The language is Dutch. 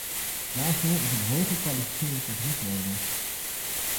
Daarvoor is een hooggekwalificeerde techniek nodig.